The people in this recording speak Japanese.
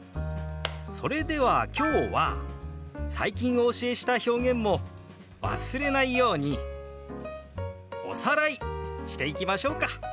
それでは今日は最近お教えした表現も忘れないようにおさらいしていきましょうか。